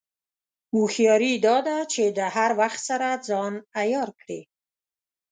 هوښیاري دا ده چې د هر وخت سره ځان عیار کړې.